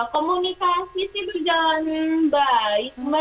komunikasi sih berjalan baik